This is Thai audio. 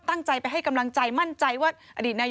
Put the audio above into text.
ตั้งใจไปให้กำลังใจมั่นใจว่า